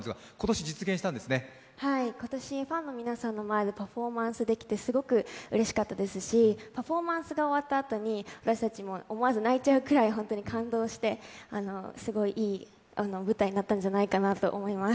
はい、今年ファンの皆さんの前でパフォーマンスができてうれしかったですし、パフォーマンスが終わったあとに私たちも思わず泣いちゃうくらい本当に感動して、すごいいい舞台になったんじゃないかなと思います。